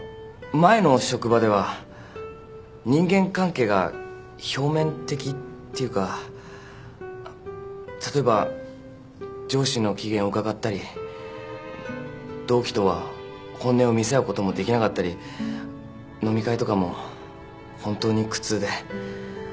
前の職場では人間関係が表面的っていうか例えば上司の機嫌をうかがったり同期とは本音を見せ合うこともできなかったり飲み会とかも本当に苦痛で。